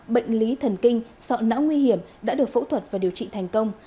bệnh lý thần kinh sọ não nguy hiểm đã được phẫu thuật và điều trị thành công